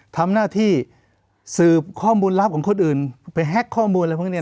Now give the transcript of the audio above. ทำหน้าที่สืบข้อมูลลับของคนอื่นไปแฮ็กข้อมูลอะไรพวกนี้